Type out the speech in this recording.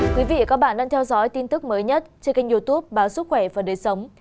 các bạn đang theo dõi tin tức mới nhất trên kênh youtube báo sức khỏe và đời sống